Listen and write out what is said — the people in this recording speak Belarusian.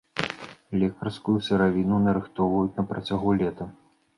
Лекарскую сыравіну нарыхтоўваюць на працягу лета.